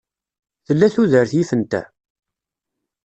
Tella tudert yifen ta?